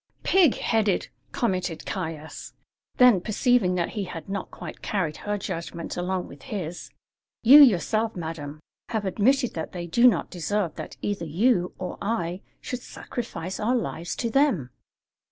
"Pig headed!" commented Caius. Then, perceiving that he had not quite carried her judgment along with his: "You yourself, madam, have admitted that they do not deserve that either you or I should sacrifice our lives to them."